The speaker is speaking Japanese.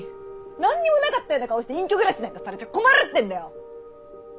何にもなかったような顔して隠居暮らしなんかされちゃ困るってんだよ！